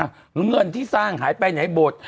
เหอะเงื่อนที่สร้างหายไปไหนบด